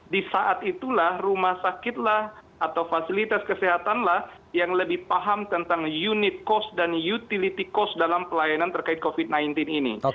di saat itulah rumah sakit lah atau fasilitas kesehatanlah yang lebih paham tentang unit cost dan utility cost dalam pelayanan terkait covid sembilan belas ini